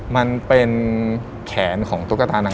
มันเป็นแขนของตุ๊กตานาง